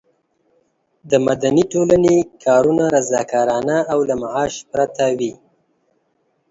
د مدني ټولنې کارونه رضاکارانه او له معاش پرته وي.